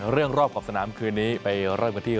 เรื่องรอบขอบสนามคืนนี้ไปเริ่มไปที่